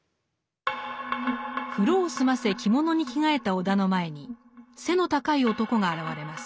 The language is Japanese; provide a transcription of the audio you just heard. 風呂を済ませ着物に着替えた尾田の前に背の高い男が現れます。